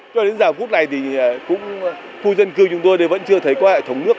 cho đến giờ phút này thì cũng khu dân cư chúng tôi vẫn chưa thấy có hệ thống nước